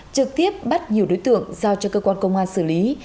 trực tiếp bắt nhiều đối tượng giao cho cơ quan công an xử lý